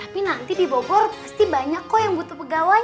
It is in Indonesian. tapi nanti di bogor pasti banyak kok yang butuh pegawai